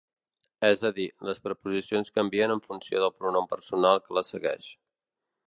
És a dir, les preposicions canvien en funció del pronom personal que les segueix.